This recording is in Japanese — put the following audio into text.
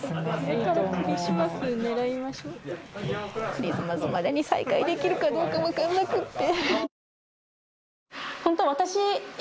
クリスマスまでに再開できるかどうかわからなくって。